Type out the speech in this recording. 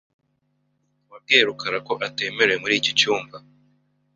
Wabwiye rukara ko atemerewe muri iki cyumba?